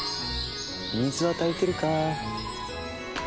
水は足りてるか？